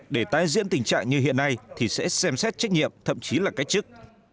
để tái diễn tình trạng như hiện nay thì sẽ xem xét trách nhiệm thậm chí là cách chức